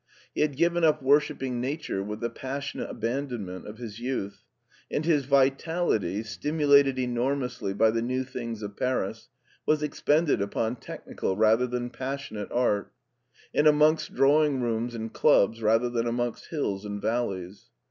He had given up worshiping nature with the passionate abandonment of his youth, and bis vitality, stimulated enormously by the new things of Paris, was expended upon technical rather than pas sionate art, and amongst drawing rooms and clubs rather than amongst hills and valleys.